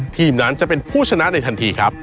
ทีมนั้นจะเป็นผู้ชนะในทันทีครับ